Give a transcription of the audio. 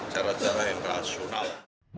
cara cara yang rasional